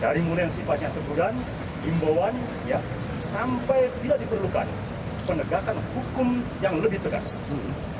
dari mulai yang sifatnya tertudan imbauan sampai tidak diperlukan penegakan hukum yang lebih tegas